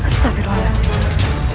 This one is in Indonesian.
sudah berulang maksudnya